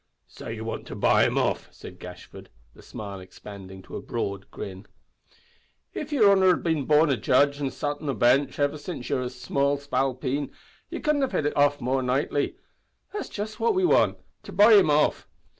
"So you want to buy him off?" said Gashford, the smile expanding to a broad grin. "If yer honour had bin born a judge an' sot on the bench since iver ye was a small spalpeen, ye couldn't have hit it off more nately. That's just what we want to buy him off.